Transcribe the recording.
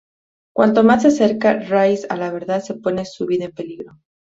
Cuanto más se acerca Rice a la verdad, más pone su vida en peligro.